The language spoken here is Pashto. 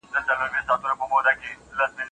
تاسو باید د مقالي لپاره یوه لنډیز ولیکئ.